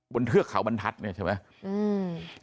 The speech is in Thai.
เทือกเขาบรรทัศน์เนี่ยใช่ไหม